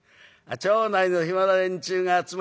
町内の暇な連中が集まってきちゃ